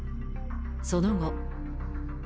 その後。